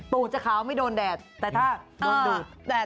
ตูดจะขาวไม่โดนแดดแต่ถ้าโดนดูดแดด